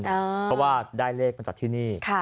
เพราะว่าได้เลขมาจากที่นี่